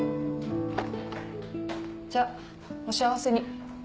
じゃあお幸せに。